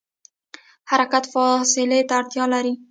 حرکت فاصلې ته اړتیا لري.